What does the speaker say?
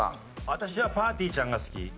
「私はぱーてぃーちゃんが好き」。